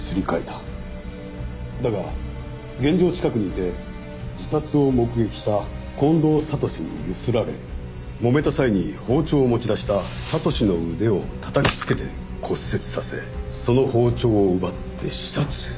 だが現場近くにいて自殺を目撃した近藤悟史にゆすられもめた際に包丁を持ち出した悟史の腕をたたきつけて骨折させその包丁を奪って刺殺。